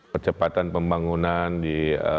percepatan pembangunan di